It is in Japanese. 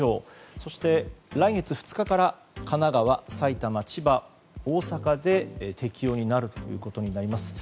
そして来月２日から神奈川、埼玉、千葉、大阪で適用になるということになります。